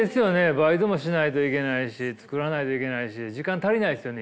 バイトもしないといけないし作らないといけないし時間足りないっすよね